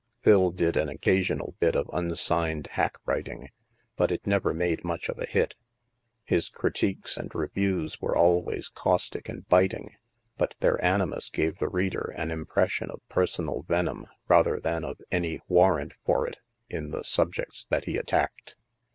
Phil did an occasional bit of unsigned hack writ ing, but it never made much of a hit. His critiques and reviews were always caustic and biting, but their animus gave the reader an impression of personal venom rather than of any warrant for it in the sub jects that he attacked.